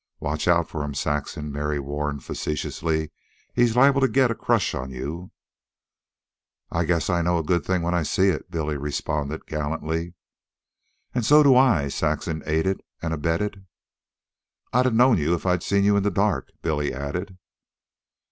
"Watch out for him, Saxon," Mary warned facetiously. "He's liable to get a crush on you." "I guess I know a good thing when I see it," Billy responded gallantly. "And so do I," Saxon aided and abetted. "I'd 'a' known you if I'd seen you in the dark," Billy added.